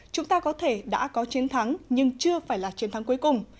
chúng ta có thể đã có chiến thắng nhưng chưa phải là chiến thắng cuối cùng